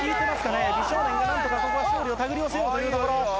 美少年がなんとかここは勝利を手繰り寄せようというところ。